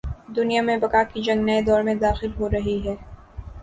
دنیا میں بقا کی جنگ نئے دور میں داخل ہو رہی ہے۔